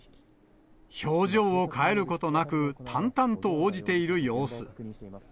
表情を変えることなく、淡々と応じている様子。